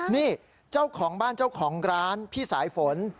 นี่เจ้าของบ้านเจ้าของร้านพี่สายฝน